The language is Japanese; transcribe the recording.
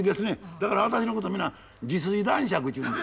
だから私のこと皆「自炊男爵」って言うんです。